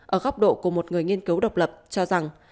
ở góc độ của một người nghiên cứu độc lập cho rằng